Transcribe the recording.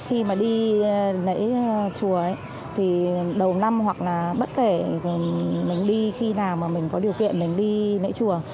khi mà đi lễ chùa thì đầu năm hoặc là bất kể mình đi khi nào mà mình có điều kiện mình đi lễ chùa